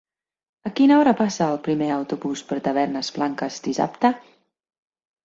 A quina hora passa el primer autobús per Tavernes Blanques dissabte?